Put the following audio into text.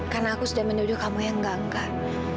karena aku sudah menuduh kamu yang gak enggak